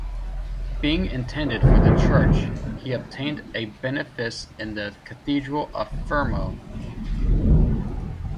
Being intended for the Church, he obtained a benefice in the cathedral of Fermo.